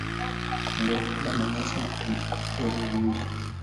Kondoo hula manyasi na kutembea kwa vidole viwili.